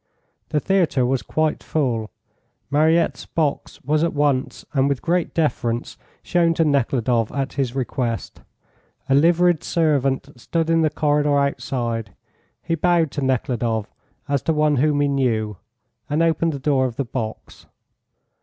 The theatre was quite full. Mariette's box was at once, and with great deference, shown to Nekhludoff at his request. A liveried servant stood in the corridor outside; he bowed to Nekhludoff as to one whom he knew, and opened the door of the box.